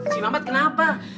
si mamat kenapa